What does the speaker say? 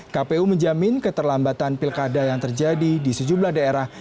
kpu menjamin keterlambatan pilkada yang terjadi di sejumlah daerah